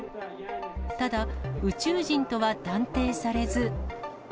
ただ、宇宙人とは断定されず。